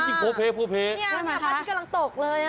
นี่อาทิตย์กำลังตกเลย